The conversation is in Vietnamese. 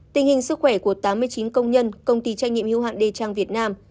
tình hình sức khỏe của tám mươi chín công nhân công ty trách nhiệm hưu hạn đê trang việt nam